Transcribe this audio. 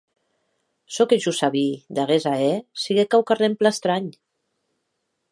Çò que jo sabí d’aguest ahèr siguec quauquarren plan estranh.